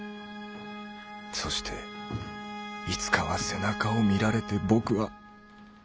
そしていつかは背中を見られて僕は。